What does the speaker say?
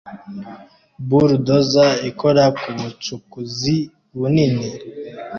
Bulldozer ikora kubucukuzi bunini